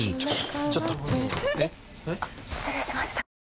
あっ失礼しました。